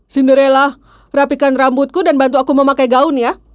cinderella rapikan rambutku dan bantu aku memakai gaun ya